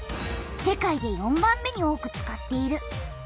世界で４番目に多く使っている。